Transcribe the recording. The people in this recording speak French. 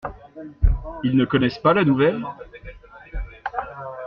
Ils ne connaissent pas la nouvelle ?